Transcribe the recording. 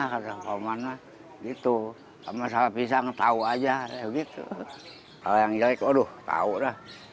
kata komanda gitu masalah pisang tahu aja begitu kalau yang jelik aduh tahu dah